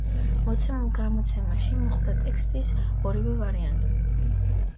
მოცემულ გამოცემაში მოხვდა ტექსტის ორივე ვარიანტი.